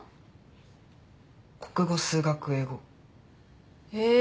国語数学英語。へ。